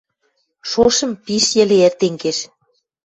Шошым пиш йӹле эртен кеш.